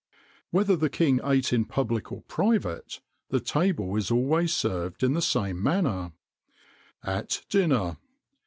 Whether the king eat in public or private, the table is always served in the same manner: AT DINNER.